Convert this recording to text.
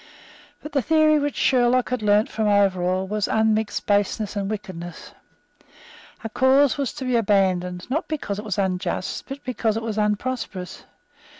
But the theory which Sherlock had learned from Overall was unmixed baseness and wickedness. A cause was to be abandoned, not because it was unjust, but because it was unprosperous.